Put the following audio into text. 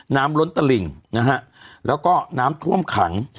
ล้นตลิ่งนะฮะแล้วก็น้ำท่วมขัง